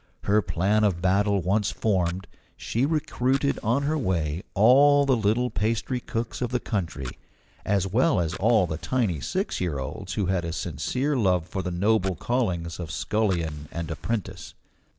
Her plan of battle once formed, she recruited on her way all the little pastry cooks of the country, as well as all the tiny six year olds who had a sincere love for the noble callings of scullion and apprentice.